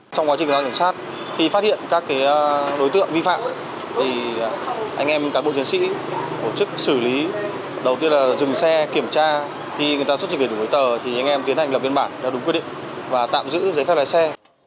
trong quá trình giao thông xác khi phát hiện các đối tượng vi phạm anh em cán bộ chiến sĩ hỗ trực xử lý đầu tiên là dừng xe kiểm tra khi người ta xuất trình về đủ đối tờ thì anh em tiến hành làm biên bản đúng quyết định và tạm giữ giấy phép lái xe